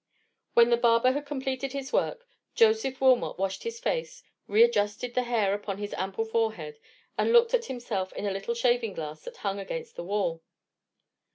When the barber had completed his work, Joseph Wilmot washed his face, readjusted the hair upon his ample forehead, and looked at himself in a little shaving glass that hung against the wall.